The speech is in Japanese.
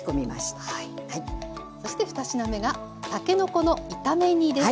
そして２品目がたけのこの炒め煮です。